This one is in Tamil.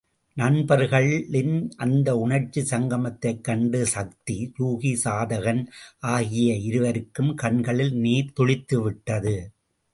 நண்பர்களின் அந்த உணர்ச்சிச் சங்கமத்தைக் கண்டு சக்தி யூதி, சாதகன் ஆகிய இருவருக்கும் கண்களில் நீர் துளித்துவிட்டது.